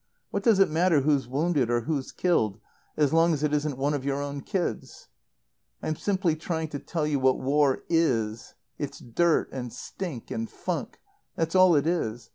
What does it matter who's wounded or who's killed, as long as it isn't one of your own kids? "I'm simply trying to tell you what war is. It's dirt and stink and funk. That's all it is.